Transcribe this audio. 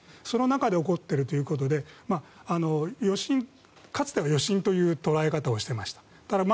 その中で起こっているということでかつては余震という捉え方をしていました。